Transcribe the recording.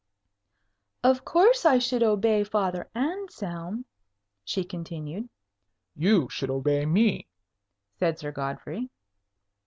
"Of course I should obey Father Anselm," she continued. "You should obey me," said Sir Godfrey.